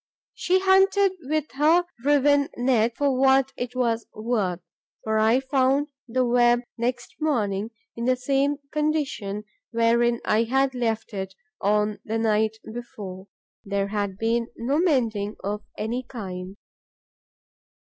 She hunted with her riven net, for what it was worth; for I found the web next morning in the same condition wherein I had left it on the night before. There had been no mending of any kind.